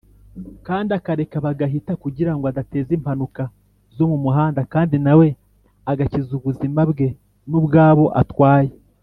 kandi akareka bagahita kugira ngo adateza impanuka zo mu muhanda kandi nawe agakiza ubuzima bwe nubwabo atwaye.